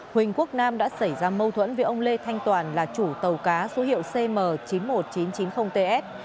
huỳnh quốc nam đã xảy ra mâu thuẫn với ông lê thanh toàn là chủ tàu cá số hiệu cm chín mươi một nghìn chín trăm chín mươi ts